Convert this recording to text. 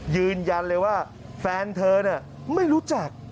ยืนยันเลยว่าแฟนเธอไม่รู้จัก